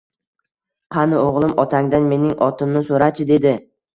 Qani, o'g'lim, otangdan mening otimni so'rachi? —dedi